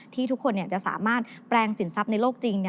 ที่ทุกคนจะสามารถแปลงสินทรัพย์ในโลกจริง